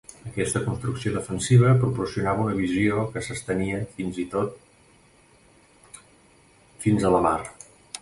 Aquesta construcció defensiva proporcionava una visió que s'estenia fins i tot fins a la mar.